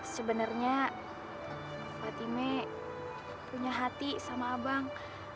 sebenarnya fatime punya hati sama abang